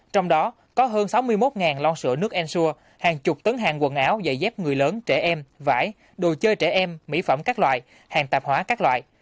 trong đó có hơn sáu mươi một lon sữa nước ensur hàng chục tấn hàng quần áo dạy dép người lớn trẻ em vải đồ chơi trẻ em mỹ phẩm các loại hàng tạp hóa các loại